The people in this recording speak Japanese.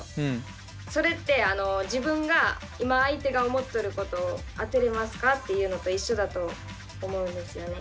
それって自分が今相手が思っとることを当てれますかっていうのと一緒だと思うんですよね。